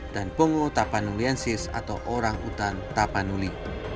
dan pongo tapanuliensis atau orang utan tapanuli